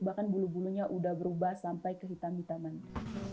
bahkan bulu bulunya udah berubah sampai ke hitam hitamannya